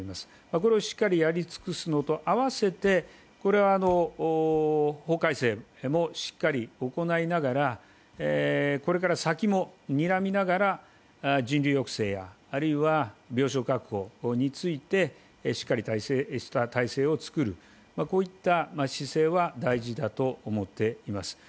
これをしっかりやり尽くすのと併せて法改正もしっかり行いながらこれから先もにらみながら人流抑制やあるいは病床確保についてしっかりとした体制を作る、こういった姿勢は大事だと思っています。